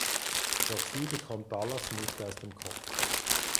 Doch sie bekommt Dallas nicht aus dem Kopf.